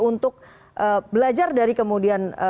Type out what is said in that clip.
untuk belajar dari kemudian